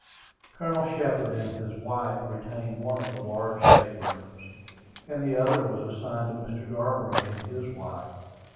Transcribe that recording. Colonel Shepard and his wife retained one of the large state rooms, and the other was assigned to Mr. Garbrook and his wife.